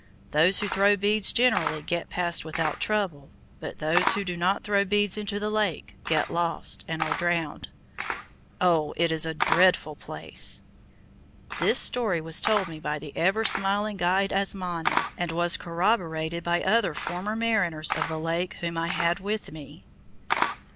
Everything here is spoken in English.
Those who throw beads generally get past without trouble, but those who do not throw beads into the lake get lost, and are drowned. Oh, it is a dreadful place!" This story was told me by the ever smiling guide Asmani, and was corroborated by other former mariners of the lake whom I had with me.